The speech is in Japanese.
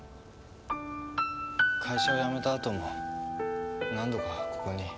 会社を辞めた後も何度かここに。